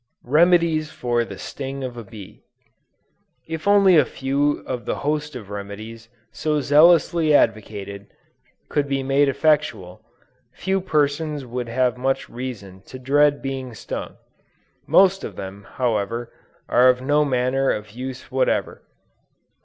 REMEDIES FOR THE STING OF A BEE. If only a few of the host of remedies, so zealously advocated, could be made effectual, few persons would have much reason to dread being stung. Most of them, however, are of no manner of use whatever.